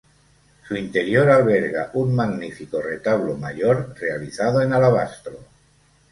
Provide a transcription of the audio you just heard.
Su interior alberga un magnífico retablo mayor realizado en alabastro.